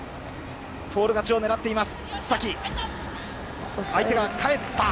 フォール勝ちを狙っています。